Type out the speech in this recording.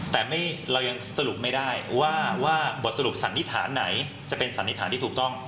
แต่เรายังสรุปไม่ได้ว่าบทสรุปสันนิษฐานไหนจะเป็นสันนิษฐานที่ถูกต้อง